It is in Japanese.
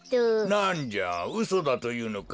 なんじゃうそだというのか？